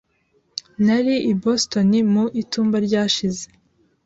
Nari i Boston mu itumba ryashize.